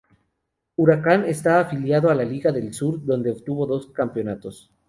Huracán está afiliado a la Liga del Sur donde obtuvo dos campeonatos.